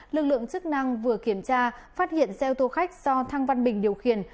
lực lượng chức năng vừa kiểm tra phát hiện xe ô tô khách do thăng văn bình điều khiển